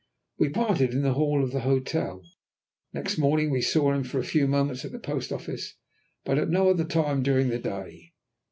We parted in the hall of the hotel. Next morning we saw him for a few moments at the post office, but at no other time during the day.